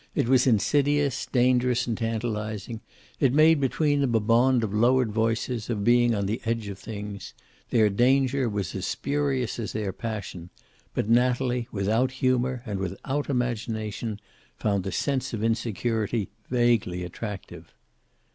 It was insidious, dangerous, and tantalizing. It made between them a bond of lowered voices, of being on the edge of things. Their danger was as spurious as their passion, but Natalie, without humor and without imagination, found the sense of insecurity vaguely attractive.